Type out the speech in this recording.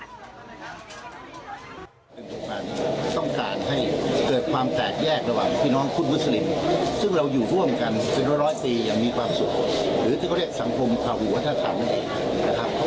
ในสถานที่ทางขัดแย้งกันในทางศาสนาจริงฉันเชื่อไหมครับเมื่อคืนพระอาทิบาทเกียรติบวงอุ่นนะครับ